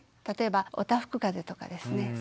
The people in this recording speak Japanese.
例えばおたふくかぜとかですね